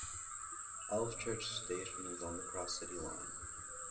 Alvechurch station is on the Cross-City Line.